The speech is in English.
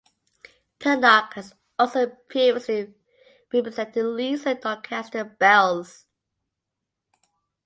Pennock has also previously represented Leeds and Doncaster Belles.